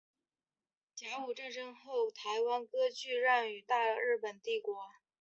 甲午战争后台湾割让予大日本帝国。